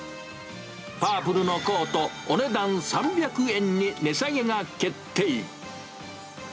パープルのコート、お値段３００円に値下げが決定。